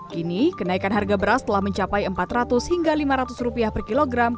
kini kenaikan harga beras telah mencapai empat ratus hingga lima ratus rupiah per kilogram